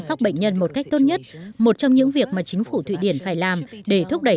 sóc bệnh nhân một cách tốt nhất một trong những việc mà chính phủ thụy điển phải làm để thúc đẩy